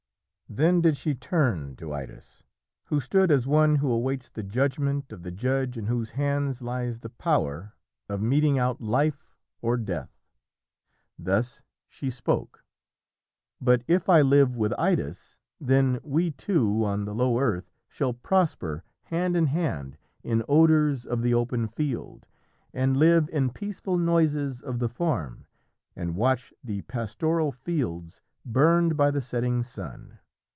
Then did she turn to Idas, who stood as one who awaits the judgment of the judge in whose hands lies the power of meting out life or death. Thus she spoke: "But if I live with Idas, then we two On the low earth shall prosper hand in hand In odours of the open field, and live In peaceful noises of the farm, and watch The pastoral fields burned by the setting sun.